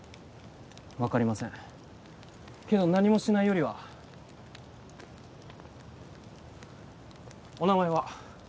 分かりませんけど何もしないよりはお名前は？